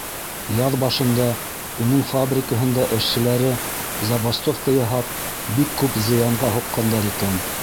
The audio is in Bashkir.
Яҙ башында уның фабрикаһында эшселәре забастовка яһап, бик күп зыянға һуҡҡандар икән.